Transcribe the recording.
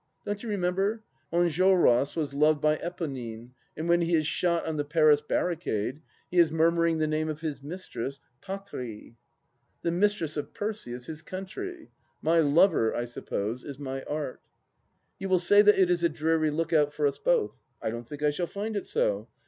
Don't you lemember, Enjolras was loved by Eponine, and when he is shot on the Paris barricade, he is murmuring the name of his mistress, " Patne I " The mistress of Percy is his Country. My lover, I suppose, is my Art. You will say that it is a dreary look out for us both. I don't think I shall find it so.